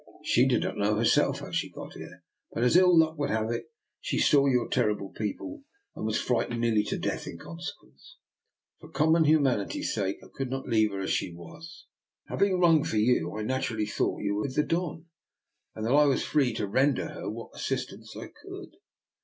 She did not know, herself, how she got here; but, as ill luck would have it, she saw your terrible people, and was frightened nearly to death in consequence. For common human ity's sake I could not leave her as she was. 202 I>R NIKOLA'S EXPERIMENT. Having rung for you, I naturally thought you were with the Don, and that I was free to ren der her what assistance I could."